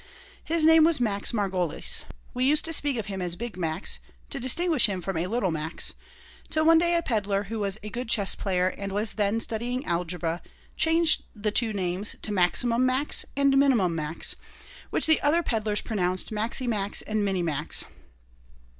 His name was Max Margolis. We used to speak of him as Big Max to distinguish him from a Little Max, till one day a peddler who was a good chess player and was then studying algebra changed the two names to "Maximum Max" and "Minimum Max," which the other peddlers pronounced "Maxie Max" and "Minnie Max."